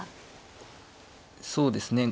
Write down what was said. そうですね